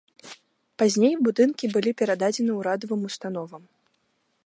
Пазней будынкі былі перададзены урадавым установам.